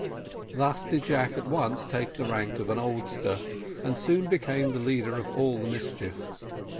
Thus did Jack at once take the rank of an oldster, and soon became the leader of all the mischief.